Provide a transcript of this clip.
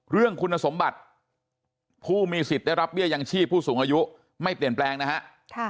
เรื่องคุณสมบัติผู้มีสิทธิ์ได้รับเบี้ยยังชีพผู้สูงอายุไม่เปลี่ยนแปลงนะฮะ